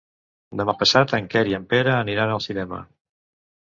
Demà passat en Quer i en Pere aniran al cinema.